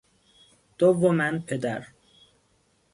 دوما پدر